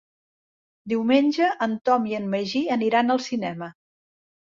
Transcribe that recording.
Diumenge en Tom i en Magí aniran al cinema.